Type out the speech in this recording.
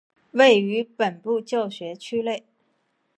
位于本部教学区内。